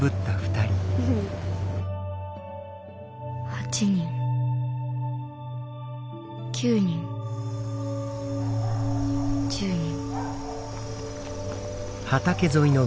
８人９人１０人。